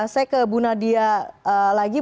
saya ke bu nadia lagi